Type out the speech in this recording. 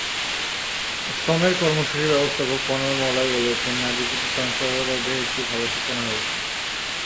অক্সফামের কর্মসূচি ব্যবস্থাপক কনর মলয় বলেছেন, নারীর প্রতি সহিংসতারোধে একটি ভালো সূচনা হয়েছে।